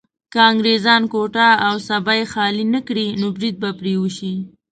که انګريزان کوټه او سبۍ خالي نه کړي نو بريد به پرې وشي.